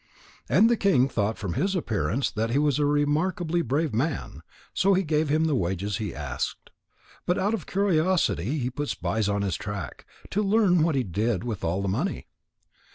And the king thought from his appearance that he was a remarkably brave man, so he gave him the wages he asked. But out of curiosity he put spies on his track, to learn what he did with all the money.